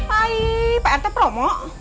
hai pak rt promo